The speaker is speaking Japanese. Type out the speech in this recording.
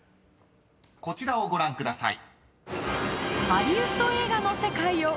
［こちらをご覧ください］